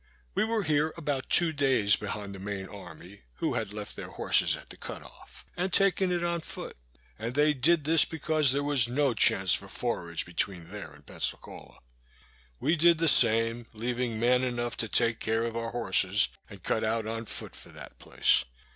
We were here about two days behind the main army, who had left their horses at the Cut off, and taken it on foot; and they did this because there was no chance for forage between there and Pensacola. We did the same, leaving men enough to take care of our horses, and cut out on foot for that place.